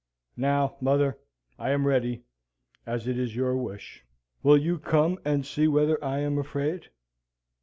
Now, mother, I am ready, as it is your wish. Will you come and see whether I am afraid?